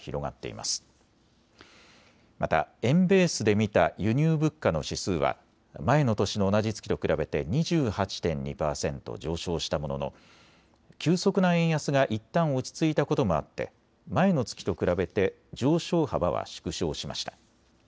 また円ベースで見た輸入物価の指数は前の年の同じ月と比べて２８．２％上昇したものの急速な円安がいったん落ち着いたこともあって前の月と比べて上昇幅は縮小しました。